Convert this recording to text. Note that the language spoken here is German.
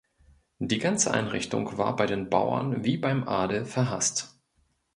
Die ganze Einrichtung war bei den Bauern wie beim Adel verhasst.